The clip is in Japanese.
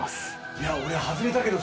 いや俺外れたけど。